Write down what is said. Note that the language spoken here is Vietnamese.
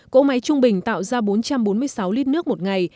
cỗ máy trung bình tạo ra bốn trăm bốn mươi sáu lít nước một ngày